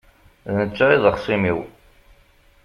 D netta i d axṣim-iw.